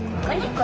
はい。